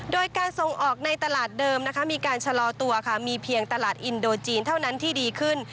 โดยการส่งออกในตลาดเดิมนะคะมีการชะลอตัวค่ะมีเพียงตลาดอินโดจีนเท่านั้นที่ดีขึ้น